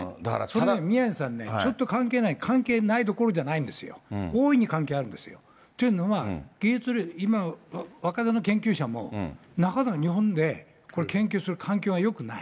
宮根さんね、ちょっと関係ない、関係ないどころじゃないんですよ、大いに関係があるんですよ。というのは、技術、若手の研究者も半ば日本で研究する環境がよくない。